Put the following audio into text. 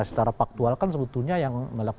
secara faktual kan sebetulnya yang melakukan